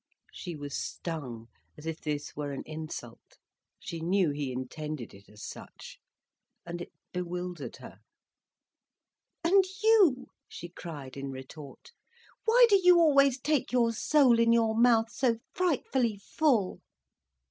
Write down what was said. She was stung, as if this were an insult. She knew he intended it as such, and it bewildered her. "And you," she cried in retort, "why do you always take your soul in your mouth, so frightfully full?"